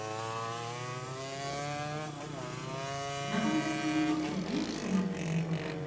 中村さんにとって転機となった人形があります。